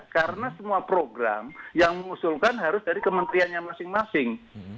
karena semua program yang mengusulkan harus dari kementeriannya masing masing